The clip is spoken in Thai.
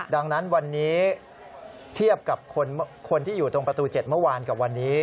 ดังนั้นวันนี้เทียบกับคนที่อยู่ตรงประตู๗เมื่อวานกับวันนี้